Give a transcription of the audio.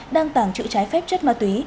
đang tàng trữ trái phép chất ma túy